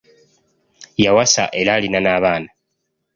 Yawasa era alina n'abaana.